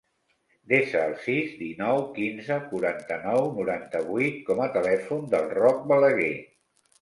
Desa el sis, dinou, quinze, quaranta-nou, noranta-vuit com a telèfon del Roc Balague.